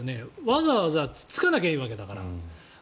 わざわざつつかなきゃいいわけだから。